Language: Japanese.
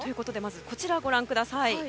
こちら、ご覧ください。